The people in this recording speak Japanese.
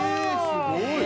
◆すごい。